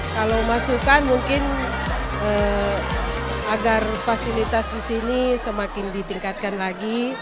kalau masukan mungkin agar fasilitas di sini semakin ditingkatkan lagi